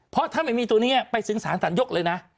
เพราะถ้าไม่มีตัวนี้ไปถึงสารสารยกเลยนะ